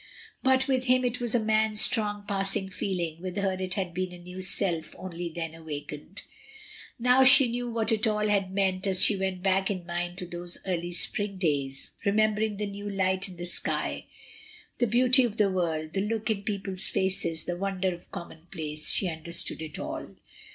But with him it was a man's strong passing feeling, with her it had been a new self only then awakened. Now she knew what it all had meant as she went back in mind to those early spring days, remembering the new light in the sky, the beauty of the world, the look in people's faces, the wonder of common place. She understood it all.